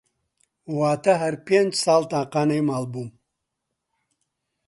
واتا هەر پێنج ساڵ تاقانەی ماڵ بووم